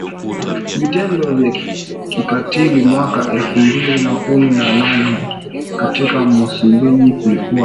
vitendo vya kikatiliMwaka elfu mbili na kumi na nane katika Msumbiji kulikuwa na